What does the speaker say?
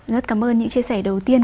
rất cảm ơn những chia sẻ đầu tiên